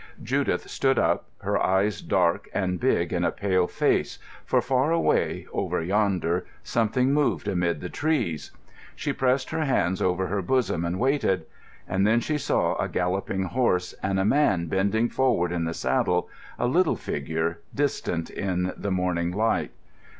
Judith stood up, her eyes dark and big in a pale face, for far away, over yonder, something moved amid the trees. She pressed her hands over her bosom and waited. And then she saw a galloping horse, and a man bending forward in the saddle, a little figure, distant in the morning light.